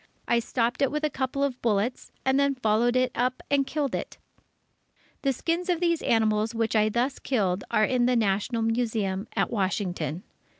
I stopped it with a couple of bullets, and then followed it up and killed it. The skins of all these animals which I thus killed are in the National Museum at Washington.